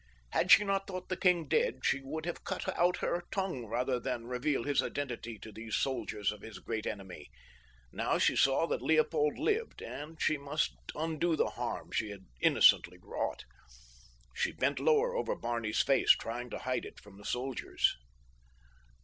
Had she not thought the king dead she would have cut out her tongue rather than reveal his identity to these soldiers of his great enemy. Now she saw that Leopold lived, and she must undo the harm she had innocently wrought. She bent lower over Barney's face, trying to hide it from the soldiers.